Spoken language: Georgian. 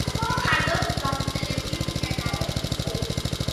ფართოდ გავრცელებული მცენარეა.